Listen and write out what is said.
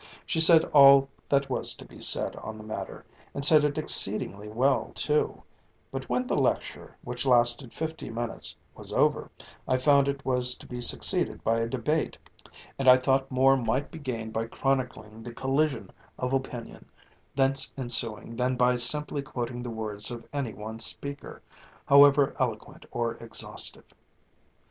She said all that was to be said on the matter, and said it exceedingly well too; but when the lecture, which lasted fifty minutes, was over, I found it was to be succeeded by a debate; and I thought more might be gained by chronicling the collision of opinion thence ensuing than by simply quoting the words of any one speaker, however eloquent or exhaustive.